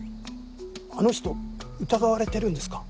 あの人疑われてるんですか？